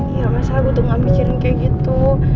iya masa gue tuh gak mikirin kayak gitu